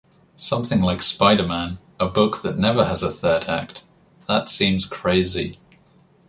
Something like Spider-Man, a book that never has a third act, that seems crazy.